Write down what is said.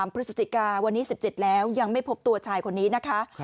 พฤศจิกาวันนี้๑๗แล้วยังไม่พบตัวชายคนนี้นะคะ